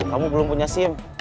kamu belum punya sim